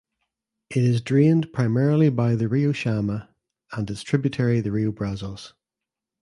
It is drained primarily by the Rio Chama and its tributary the Rio Brazos.